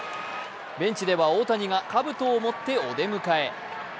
ベンチでは大谷がかぶとを持ってお出迎え。